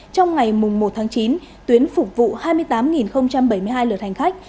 trong ngày một tháng chín tuyến phục vụ hai mươi tám bảy mươi hai lượt hành khách